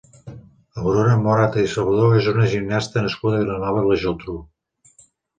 Aurora Morata i Salvador és una gimnasta nascuda a Vilanova i la Geltrú.